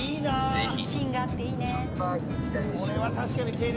ぜひ。